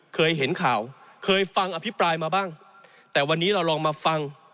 เคยเห็นข่าวเคยฟังอภิปรายมาบ้างแต่วันนี้เราลองมาฟัง